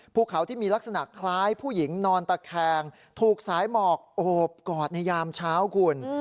ภูเขาที่มีลักษณะคล้ายผู้หญิงนอนตะแคงถูกสายหมอกโอบกอดในยามเช้าคุณ